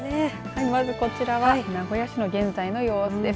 まずこちらは名古屋市の現在の様子です。